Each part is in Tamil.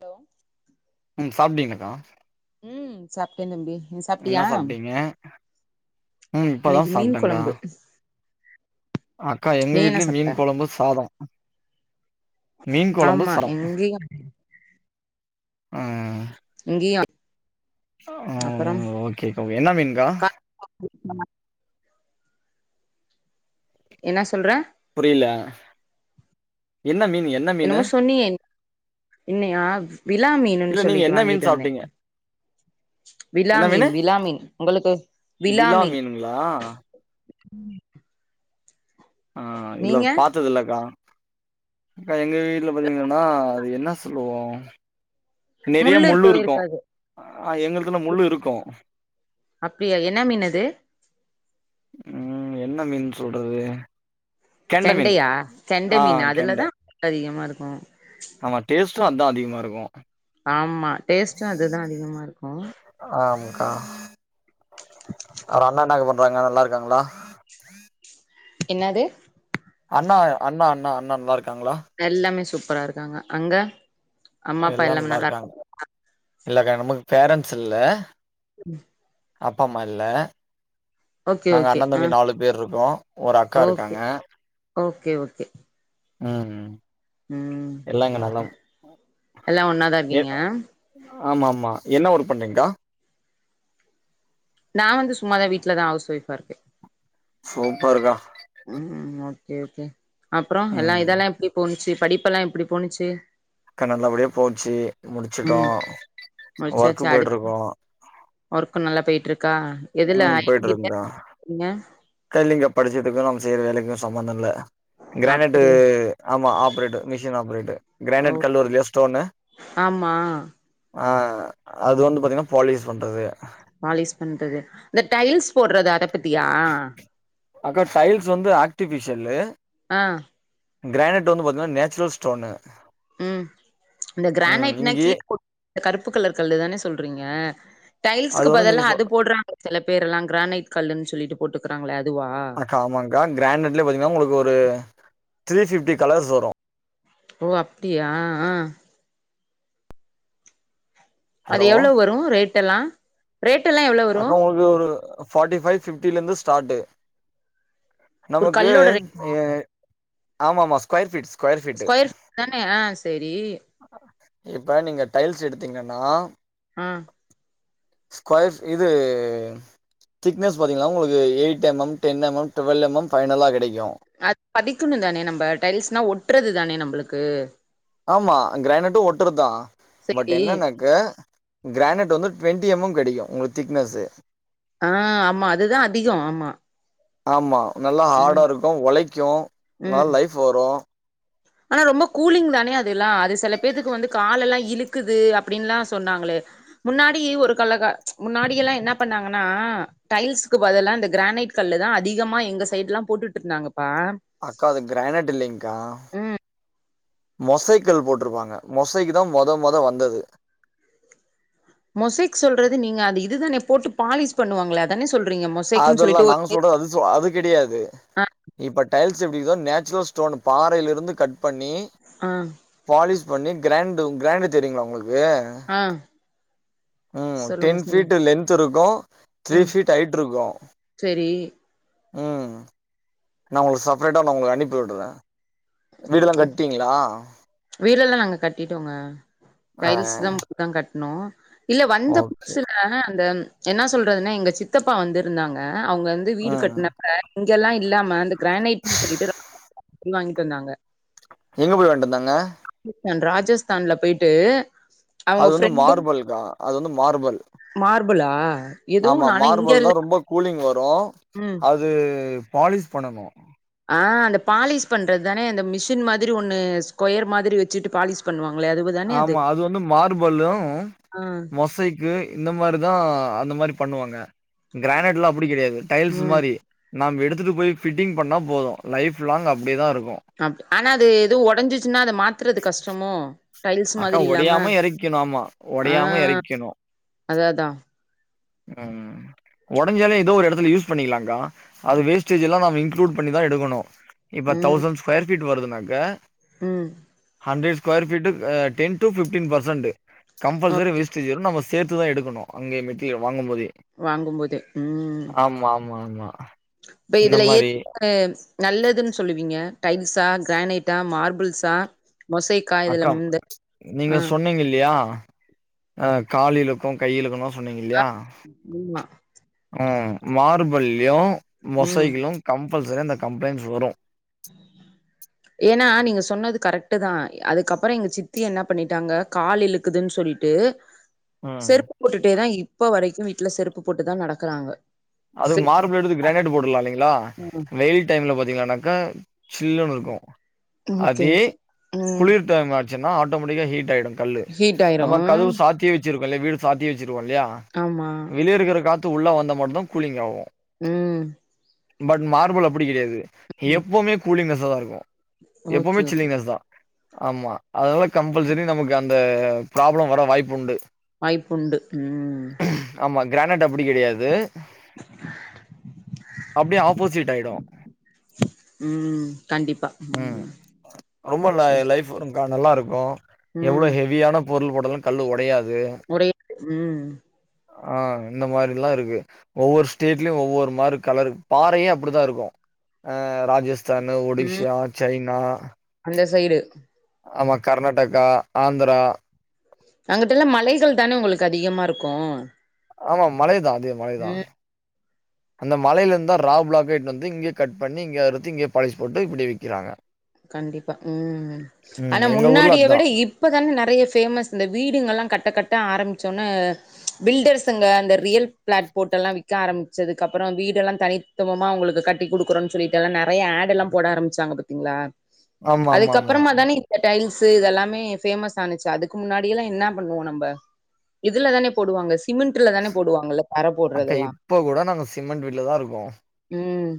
ஹலோ ம் சாப்ட்டீங்களாக்கா ம் சாப்ட்டே தம்பி நீ என்ன சாப்ட்டியா சாப்ட்டீங்க ம் இப்பதா இன்னைக்கு மீன் சாப்ட்டேங்க்கா கொழம்பு அக்கா எங்க நீ என்ன வீட்லயு சாப்ட்ட மீன் கொழம்பு சாதோ மீன் கொழம்பு ஆமா சா எங்கயு ம் இங்கியு ஆ ஓகே என்ன மீன்க்கா [inaudible] என்ன சொல்ற புரியில என்ன மீன் என்ன மீனு என்னமோ சொன்னியே என்னையா விலா மீனுன்னு இல்ல நீங்க சொல்லிட்டு என்ன மீன் வாங்கிட்டு வந்தே சாப்ட்டீங்க என்ன மீனு விலாமீன் விலாமீன் உங்களுக்கு விலாமீன் மீனுங்களா விலா ஆ இல்ல நீங்க பாத் தது இல்லக்கா அக்கா எங்க வீட்ல பாத்தீங்கன்னா அது என்ன சொல்லுவோ நெறையா முள்ளு இருக்கவே இருக்கு இருக்காது ஆ எங்களுதுல முள்ளு இருக்கு அப்டியா என்ன மீன் அது ம் என்ன மீன் சொல்றது கெண்ட மீன் செண்டையா செண்ட ஆ மீனா அதுலதா கெண்ட அதிகமா இருக்கு ஆமா டேஸ்ட்டு அதா அதிகமா இருக்கு ஆமா டேஸ்ட்டு அதுதா அதிகமா இருக்கு ஆமாக்கா வேற அண்ண என்னக்கா பண்றாங்க நல்லாருக்காங்களா என்னாது அண்ணா அண்ணா அண்ணா அண்ண நல்லாருக்காங்களா எல்லாமே சூப்பரா இருக்காங்க அங்க அம்மா அப்பா எல்லாம் எல்லாமே நல்லா இருக்காங்க நல்லாருக் இல்லக்கா நமக்கு பேரண்ட்ஸ் இல்ல ம் அப்பாம்மா இல்ல ஓகே நாங்க ஓகே ஆ அண்ணந்தம்பி நாலு பேர் இருக்கோ ஒரு அக்கா ஓகே இருக்காங்க ஓகே ஓகே ம் ம் ம் எல்லா இங்க நலம் எல்லா ஒன்னாதா நே இருக்கீங்க ஆமா ஆமா என்ன ஒர்க் பண்றீங்க்கா நா வந்து சும்மாதா வீட்லதா ஹவுஸ் ஒய்ஃபா இருக்கே சூப்பர்க்கா ம் ஓகே ஓகே அப்றோ எல்லா ம் இதெல்லா எப்டி போணுச்சு படிப்பெல்லா எப்டி போணுச்சு க்கா நல்லபடியே போச்சு முடிச்சுட்டோ ம் ஒர்க்கு முடிச்சாச்சா அடுத் போயிட்ருக்கோ ஒர்க்கு நல்லா போயிட்ருக்கா எதுல ஐ [inaudible] நீங்க க இல்லிங்க படிச்சதுக்கு நம்ம செய்ற வேலைக்கு சம்மந்த இல்ல கிரானைட்டு அப்டியா ஆமா ஆப்ரேட்டு மிஷின் ஆப்ரேட்டு ஓ கிரானைட் கல்லு வருல்லியா ஸ்டோனு ஆமா ஆ அது வந்து பாத்தீங்கனா பாலிஸ் பண்றது பாலிஷ் பண்றது இந்த டைல்ஸ் போட்றது அத பத்தியா அக்கா டைல்ஸ் வந்து ஆர்ட்டிஃபிஷியலு ஆ கிரானெட் வந்து பாத்தீன்னா நேச்சுரல் ஸ்டோன்னு ம் இந்த கிரானைட்னா கீழ் போட்ற கருப்பு கலர் கல்லுதானே சொல்றீங்க அது டைல்ஸுக்கு வந்து நீங்க பதிலா சொ அது போடுறாங்க சில பேரெஷ்லா கிரானைட் கல்லுன் சொல்லிட்டு போட்டுக்கிறாங்களே அதுவா ஆமாங்கா கிரானெட்லே பாத்தீங்ன்னா உங்களுக்கு ஒரு த்ரீ ஃபிப்டி கலர்ஸ் வரு ஓ அப்டியா ஆ அது ஹலோ எவ்ளோ வரு ரேட்டெல்லா ரேட்டெல்லா எவ்ளோ வரு ஒரே ஒரு ஃபாட்டி ஃபை ஃபிப்டிலந்து ஸ்டாட்டு ஒரு நமக்கு கல்லோட ரேட்டா எ ஆமா ஆமா ஸ்கொயர்ஃபீ்ட்ஸ் ஸ்கொயர் ஃபீட் தானே ஆ செரி இப்ப நீங்க டைல்ஸ் எடுத்தீங்கன்னா அ ஸ்கொயர் ஃப் இது திக்னஸ் பாத்தீங்கன்னா உங்களுக்கு eight MM ten MM twelve MM ஃபைனலா கொடைக்கு அது பதிக்கிணு தானே நம்ப டைல்ஸ்னா ஒட்றது தானே நம்புளுக்கு ஆமா கிரானெட்டு ஒட்டுறத்தா பட் சேரி என்னன்னாக்க கிரானெட் வந்து ட்வெண்டி எம் எம் கெடைக்கு உங்களுக் திக்னஸு ஆ ஆமா அதுதா அதிகோ ஆமா ஆமா நல்லா ஹாடா ம் இருக்கு ஒழைக்கு நல்லா ம் லைஃபு வரு ஆனா ரொம்ப கூலிங் தானே அதெல்லா அது செல பேத்துக்கு வந்து காலெல்லா இழுக்குது அப்புடின்லா சொன்னாங்களே முன்னாடி ஒரு கல்ல க முன்னாடியெல்லா என்ன பண்ணாங்கன்னா டைல்ஸ்கு பதிலா இந்த கிரானைட் கல்லுதா அதிகமா எங்க சைட்லா போட்டுட்ருந்தாங்கப்பா அக்கா அது கிரானெட் இல்லிங்க்கா ம் மொசைக்கல் போட்ருப்பாங்க மொசைக்கிதா மொத மொத வந்தது மொசைக் சொல்றது நீங்க அது இதுதானே போட்டு பாலிஷ் பண்ணுவாங்களே அதானே சொல்றீங்க மொ அதுல்லா நாங்க சொல்றது அது சொ அது கெடையாது ஆ இப்ப டைல்ஸ் எப்டிகிதோ நேச்சுரல் ஸ்டோனு பாறைலருந்து கட் பண்ணி ஆ பாலிஷ் பண்ணி கிராண்டு உ கிராண்டு தெரியுங்ளா உங்களுக்கு ஆ ம் சொல்லுங்க டென் சொல்லுங்க ஃபீட்டு லென்திருக்கு த்ரீ ம் ஃபீட் ஹைட்ருக்கு செரி ம் நா உங்களுக் சபரேட்டா நா உங்களுக்க அனுப்பி வுடற வீடுல்லா கட்டீங்ளா வீடெல்லா நாங்க கட்டிட்டோங்க. ஆ டைல்ஸ்தா போட்தா கட்ணோ இல்ல வந்த ஓகே புதுசுல அந்த என்னா சொல்றதுன்னா எங்க சித்தப்பா வந்திருந்தாங்க அவுங் வந் து வீடு ம் கட்னப்ப இங்கெல்லா இல்லாம அந்த கிரானைட்டுனு சொல்லிட்டு [unintelligible] வாங்கிட் வந்தாங்க எங்க போய் வாய்ன்டந்தாங்க ராஜஸ்தான் ராஜஸ்தான்ல போய்ட்டு அது வந்து மார்பல்கா அது வந்து மார்பல் மார்பளா எதுவு ஆமா நானா இங்க மார்பல்தா இல்ல ரொம்ப கூலிங் வரு ம் அ து பாலிஷ் பண்ணணு ஆ அந்த பாலிஷ் பண்றத்தானே அந்த மிஷின் மாதிரி ஒண்ணு ஸ்கொயர் மாதிரி வெச்சுட்டு பாலிஷ் பண்ணுவாங்களே அதுவுதா ஆமா அது வந்து மார்பலு ஆ மொசைக் கு இந்த மாரிதா அந்தமாரி பண்ணுவாங்க. கிரானெட்லா அப்பிடி கெடையாது டைல்ஸ் ம் மாரி நாம் எடுத்துட்டு போய் ஃபிட்டிங் பண்ணா போது லைஃப்லாங் அப்டேதாருக்கு அப்டி ஆனா அது எது ஒடஞ்சிச்சுன்னா அத மாத்துறது கஷ்டமோ? டைல்ஸ் அக்கா மாதிரி இல்லாம ஒடயாம எறக்கிணு ஆமா ஆ ஒடயாம எறக்கிணு அதா அதா ம் ஒடஞ்சாலு ஏதோ ஒரு எடத்துல யூஸ் பண்ணிக்கலாங்க்கா. அது வேஸ்டேஜ் எல்லா நாம இன்க்ளூட் பண்ணிதா எடுக்கணு. இப்ப ம் தௌசண் ஸ்கொயர் ஃபீட் வருதுனாக்க ம் hundred square feet a ten to fifteen percent compulsory okay. விஸ் சீ ஜரூ நம்ம சேத்துதா எடுக்கணு. அங்கே மெட்டீரியல் வாங்கு போதே வாங்கும்போதே. ம். ஆமா மா மா இப்ப இதுல ஏ அ நல்லதுன் சொல்லுவீங்க டைல்ஸா கிரானைட்டா மார்பிள்ஸா மொசைக் அக்கா நீங்க சொன்னீங்கல்லியா அ காலிலுக்கு கையிலுக்குனு ல ஆ. சொன்னீங்கல்லியா ஆமா. உ மார்பல்லியு ம். மொசைக்ளூ கம்பல்சரி அந்த கம்ப்ளைன்ஸ் வரு [unintelligible] ஏன்னா நீங்க சொன்னது கரெக்டுதா அதுக்கப்ற எங்க சித்தி என்ன பண்ணிட்டாங்க கால் இழுக்குதுன் சொல்லிட்டு உ [unintelligible] செருப்பு போட்டுட்டேதா இப்ப வரைக்கு வீட்ல செருப்பு போட்டுதா நடக்கறாங்க அது மார்பிள் எடுத்து கிரானைட் போட்ருலால்லைங்களா ஆ. வெயில் டைம்ல பாத்தீங்கனாக்கா சில்லுன்னு இருக்கு ஓகே, அதே ஓகே. ம். குளிர் டைம் ஆச்சுன்னா ஆட்டோமேட்டிக்கா ஹீட் ஆய்டு. கல்லு ஹீட் ஆயிரும். நமக்கதவு சாத்தியே வெச் சிருக்கோ இல்லயா வீடு சாத்தியே வெச்சிருக்கோ இல்லயா ஆமா. வெளிய இருக்கற காத்து உள்ள வந்தா மட்டு் கூலிங் ஆவு ம் பட் மார்பல் அப்பிடி கெடையாது. ம். எப்போமே கூலிங்னஸ்ஸாதா இருக்கு எப்போமே ஓகே, ஓகே. சில்லிங்னஸ்தா ஆமா அதனால கம்பல்சரி நமக்கு அந்த ப்ராப்ளம் வர வாய்ப்புண்டு. வாய்ப்புண்டு ம் ஆமா கிரானைட் அப்டி கெடயாது. அப்டியே ஆப்போசிட் ஆய்டு ம் கண்டிப்பா ம் சர் ந நல்லாருக்கு எவ்ளோ ஹெவியான பொருள் போட்டாலு கல்லு ஒடயாது முரெ ம் ஆ இந்த மாரில்லா இருக்கு ஒவ்வொரு ஸ்டேட்லயு ஒவ்வொரு மாரி கலரு பாறையு அப்படிதா இருக்கு ராஜஸ் தன ம் ஒடிசியா சைனா அந்த சைடு ஆமா கர்நாடகா ஆந்ரா அங்குட்டுலா மலைகள் தான உங்களுக்கு அதிகமாருக்கு ஆமா மலை தான் அதே மலை தான் அந்த மலைல இருந்து ரா பிளாக்கே எடுத்துட் வந்து இங்க கட் பண்ணி இங்க அறுத்து இங்கயே பாலிஷ் போட்டு இப்படி விக்கிறாங்க கண்டிப்பா உம் ம் ஆனா எங்க ஊர்ல முன்னாடிய அதா விட இப் இப்போதான நெறைய ஃபேமஸ் இந்த வீடுங்கலா கட்ட கட்ட ஆரம்பிச்சோன்ன பில்டர்ஸ்ங்க அந்த ரியல் பிளாட் போட்டல்லா விக்க ஆரம்பிச்சதுக்கு அப்ற வீடெல்லா தனி சுத்தமா உங்களுக் கட்டி குடுக்குறோ சொல்லிட்டுல்லா நெறைய ஆட்ல்லா போட ஆரம்பிச்சாங்க பாத்தீங்களா ஆமாமாமா அதுக்கப்பறமா தானே டைல்ஸ் இதெல்லாமே ஃபேமஸ் ஆனச்சு அதுக்கு முன்னாடியெல்லா என்னா பண்ணுவோ நம்ம இதுல தானே போடுவாங்க சிமெண்ட்ல தான போடுவாங்கல்ல தரை அக்கா போடுறதெல்லா இப்ப கூட நாங்க சிமெண்ட் வீட்லதா இருக்கோ ம்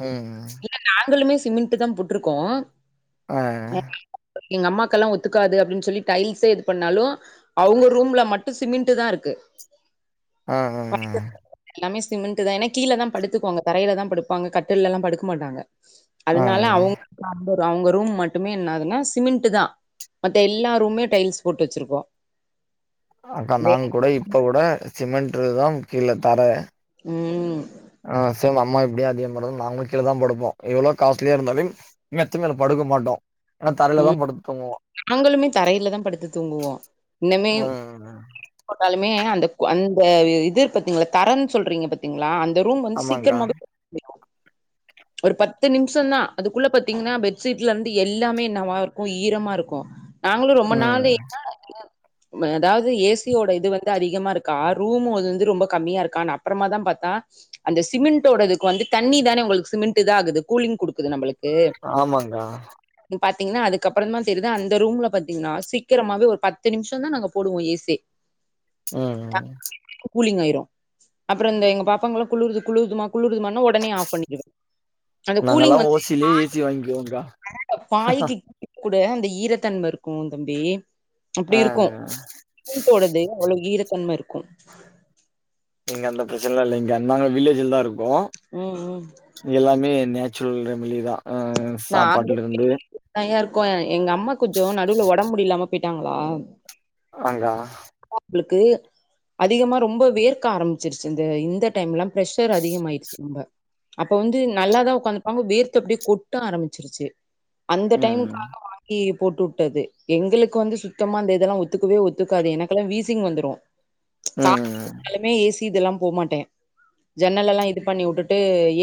ம் இல்ல நாங்களுமே சிமெண்ட்தா போட்ருக்கோ ஆ [inaudible] எங்க அம்மாக்குல்லா ஒத்துக்காது அப்டின்னு சொல்லி டைல்ஸே இது பண்ணாலு அவுங்க ரூம்ல மட்டு சிமிண்டுதா இருக்கு ஆ ஆ [inaudible] எல்லாமே சிமெண்ட்டுதா ஏன்னா கீழதா படுத்துக்குவாங்க தரையில தா படுப்பாங்க கட்டிலல்லா படுக் க மாட்டாங்க ஆ அதனால அவுங்க [inaudible] அந்த அவுங்க ரூம் மட்டுமே என்னதுனா சிமெண்ட்டு தா மத்த எல்லா ரூமே டைல்ஸ் போட்டு வச்சிருக்கோ அக்கா நாங்க கூட இப்ப கூட சிமெண்ட்டுதா கீழே தர ம் ஆ சேம் அம்மா எப்டியோ அதே‌மாரிதா நாங்களு கீழதா படுப்போ எவ்வளோ காஸ்லியா இருந்தாலும் மெத்த மேல படுக்க மாட்டோ ஏன்னா தரையிலதா ம் படுத்து தூங்குவோ நாங்களுமே தரையிலதா படுத்து தூங்குவோ ஆ ஆ போட்டாலுமே அந்த அந்த இது பாத்தீங்களா தரன்னு சொல்றீங்க பாத்தீங்களா அந்த ரூம் வந்து ஆமாங்க்கா சீக்கிரமாவே ஒரு பத்து நிமிஷந்தா அதுக்குள்ள பாத்தீங்கன்னா பெட்ஷீட்லேருந்து எல்லாமே என்னவா இருக்கு ஈரமா இருக்கு நாங்களு ரொம்ப நாளு ம் என்னடா இது ம் அதாவது ஏசியோட இது வந்து அதிகமா இருக்கா ரூமு அது வந்து ரொம்ப கம்மியா இருக்கா நா அப்பறமாதா பாத்தா அந்த சிமெண்ட்டோடதுக்கு வந்து தண்ணி தானே உங்களுக்கு சிமெண்ட் இதாகுது கூலிங் குடுக்குது நம்பளுக் ஆமாங்க்கா பாத்தீங்கன்னா அதுக்கப்பறந்தா தெரியுது அந்த ரூம்ல பாத்தீங்கன்னா சீக்கிரமாவே ஒரு பத்து நிமிஷந்தா நாங்க போடுவோ ஏ சி ம் டக் கூலிங் ஆயிரு அப்புற இந்த எங்க பாப்பாங்கல்லா குளுருது குளுருதும்மா குளுருதுமான்னா ஒடனே ஆஃப் பண்ணிடுவ அது நாங்கல்லா கூலிங் வந்து ஓசிலயே பாய் ஏசி வாங்கிக்குவோங்க்கா வராண்டா பாய்க்கு கூட அந்த ஈரத்தன்ம இருக்கு தம்பி ஆ அப்டி இருக்கு பும்போடது அவ்ளோ ஈரத்தன்ம இருக்கு இங்க அந்த பிரச்சன இல்ல இங்க ஆ நாங்க வில்லேஜ்லதா இருக்கோ ம் ம் எல்லாமே நேச்சுரல் ரெமலிதா ஆ நாங்க சாப்பாட்லேருந்து தனியா இருக்கோ எங்க அம்மா கொஞ்ச நடுவுல ஒடம்பு முடில்லாம போயிட்டாங்களா ஆங்க்கா அதா அவுங்களுக்கு அதிகமா ரொம்ப வேர்க்க ஆரம்பிச்சிருச்சி இந்த இந்த டைம்லா பிரஷர் அதிகமாயிடுச்சி ரொம்ப அப்போ வந்து நல்லாதா உக்காந்துருப்பாங்க வேர்த்து அப்டியே கொட் ட ஆரம்பிச்சிருச்சி அந்த ம் டைம்க்காக வாங்கி போட்டுட் டது எங்களுக்கு வந்து சுத்தமா அந்த இதெல்லா ஒத்துக்கவே ஒத்துக்காது எனக்கெல்லா வீசிங் வந்துரு கார் ம் இருந்தாலுமே ஏசி இதெல்லா போ மாட்டே ஜன்னல் எல்லா இது பண்ணி உட்டுட்டு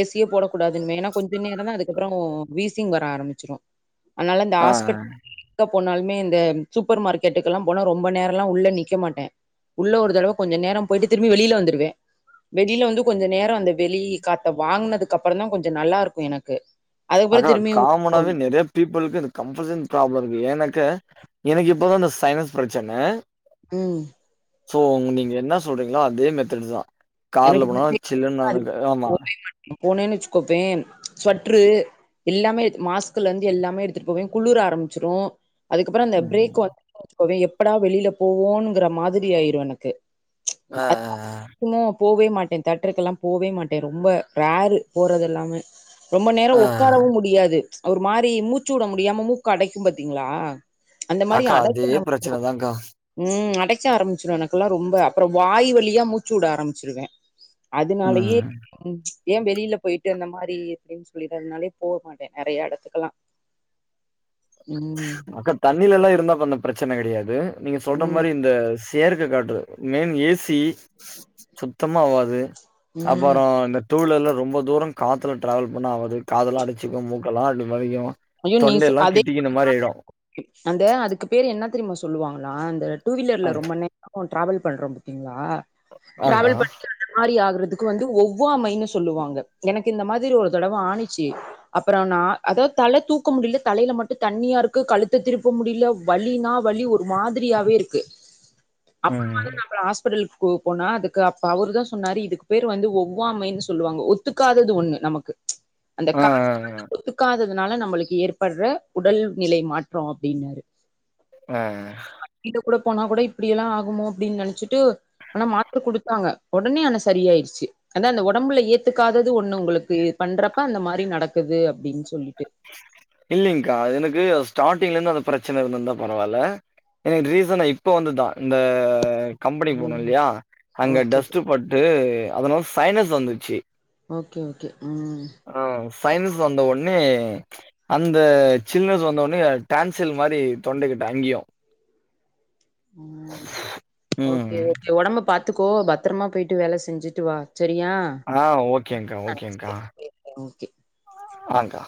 ஏசியே போடக்கூடாதும்பே ஏன்னா கொஞ்ச நேரந்தா அதுக்கப்பு றோ வீசிங் வர ஆரம்பிச்சிரு அதனால இந்த ஆ ஹாஸ்பிட் எங்க போனாலுமே இந்த சூப்பர் மார்க்கெட்டுக்குல்லா போனா ரொம்ப நேரல்லா உள்ள நிக்க மாட்டே உள்ள ஒரு தடவ கொஞ்ச நேரம் போயிட்டு திரும்பி வெளில வந்துருவே வெளில வந்து கொஞ்ச நேர அந்த வெளி காத்த வாங்குனதுக்கு அப்பறந்தா கொஞ்ச நல்லாருக்கும் எனக்கு அதுக்கப்புறோ அதா திரும்பியு உள்ள போவே காமனாவே நெறைய பீப்புளுக்கு இந்த கம்ப்ரசன் இருக்கு ஏன்னாக்கா எனக்கு இப்பதா இந்த சைனஸ் பிரச்சன ம் சோ நீங்க என்ன சொல்றீங்களோ அதே மெத்தட் தா கார்ல போனா சில்லுனா இருக்கு ஆமா நா போனேன்னு வச்சுக்கோப்பேன் சொட்ரு எல்லாமே மாஸ்க்லேருந்து எல்லாமே எடுத்துட்டு போவே குளுர ஆரம்பிச்சிரு அதுக்கப்பற அந்த பிரேக் [inaudible] எப்படா வெளியில போவோனுங்குற மாதிரி ஆயிடு எனக்கு ஆ ஆ ஆ சும்மா நா போவே மாட்டே தேட்ருக்கெல்லா போவே மாட்டே ரொம்ப ரேரு போறது எல்லாமே ரொம்ப நேரோ ஆ ஒக்காரவு முடியாது ஒரு மாறி மூச்சு விட முடியாம மூக்கடைக்கு பாத்தீங்ளா அந்த மாரி அக்கா அடைக்க அதே ஆரம்பிச்சிரு பிரச்சன தான்க்கா ம் அடைக்க ஆரம்பிச்சிரு எனக்கெல்லா ரொம்ப அப்றோ வாய் வழியா மூச்சு வுட ஆரம்பிச்சிருவே அதுனாலயே ம் ம் ஏ வெளிலில போயிட்டு அந்த மாரி எப்டின் சொல்லிட்துனாலே போ மாட்டே நறைய எடத்துக்கல்லா ம் அக்கா தண்ணிலல்லா இருந்தா அப்ப அந்த பிரச்சன கெடயாது நீங்க சொல்ற ம் மாரி இந்த தியற்க காற்று மெயின் ஏ சி சுத்தமாவாது ம் அப்றோ இந்த டூ வீலர் ல ரொம்ப தூரங் காத்துல ட்ராவல் பண்ணா ஆவாது காதலா அடச்சுக்கு மூக்கல்லா அடி வலிக்கு ஐயோ நீ சொ தொண்டெல்லா அதே கிட்டிக்கின மாரியாயிடு அந்த அதுக்கு பேரு என்ன தெரிமா சொல்லுவாங்ளா இந்த டூ வீலர்ல ஆ ரொம்ப நேரோ ட்ராவல் பண்றோ பாத்தீங்ளா ஆங்க்கா ட்ராவல் பண்ணினா இந்த மாரி ஆகுறதுக்கு வந்து ஒவ்வாமைன்னு சொல்லுவாங்க எனக்கு இந்த மாரி ஒரு தடவ ஆனிச்சு அப்றோ நா அதா தல தூக்க முடில தலைல மட்டு தண்ணியாருக்கு கழுத்த திருப்ப முடில வலினா வலி ஒரு மாதிரியாவே இருக்கு அப்றமா ம் தா‌ நா அப்றோ ஹாஸ்பட்டல் கு போனா அதுக்கு அப்ப அவுரு தா சொன்னாரு இதுக்கு பேரு வந்து ஒவ்வாமைன் சொல்லுவாங்க ஒத்துக்காதது ஒண்ணு நமக்கு அந்த ஆ ஆ காத்து வந்து ஆ ஒத்துக்காத துனால நம்ளுக்கு ஏற்பட்ற உடல் நிலை மாற்றோ அப்டின்னாரு ஆ வண்டில கூட போனா கூட இப்டி எல்லா ஆகுமோ அப்டின் நெனச்சிட்டு ஆனா மாத்ர குடுத்தாங்க ஒடனே ஆனா சரியாயிருச்சு அதா அந்த ஒடம்புல ஏத்துக்காதது ஒண்ணு உங்ளுக்கு பண்றப்ப அந்த மாரி நடக்குது அப்டின் சொல்லி இல்லைங்க்கா எனக்கு ஸ்டார்ட்டிங்லேந்து அந்த பிரச்சன இருந்துருந்தா பரவால்ல எனக்கு ரீசன்னா இப்ப வந்துதா இந்த கம்பெனி போன ம் இல்லயா அங்க ஓகே டஸ்ட்டு பட்டு அதனால சைனஸ் வந்துச்சி ஓகே ஓகே ம் ஆ சைனஸ் வந்த ஒட்னே அந்த சில்னஸ் வந்தோனே டான்சல் மாரி தொண்ட கிட்ட அங்கியு ம் ம். ஓகே ஓகே ஒடம்ப பா த்துக்கோ பத்தரமா போய்ட்டு வேல செஞ்சுட்டு வா செரியா ஆ ஓகேங்க்கா ஓகேங்க்கா சரி ஓகே ஆ கா